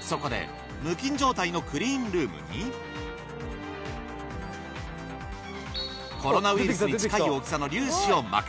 そこで無菌状態のクリーンルームにコロナウイルスに近い大きさの粒子をまく。